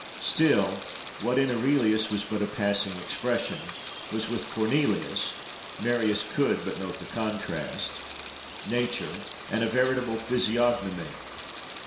Still, what in Aurelius was but a passing expression, was with Cornelius (Marius could but note the contrast) nature, and a veritable physiognomy.